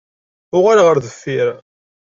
Uɣal ar deffir!